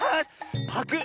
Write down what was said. パクッ。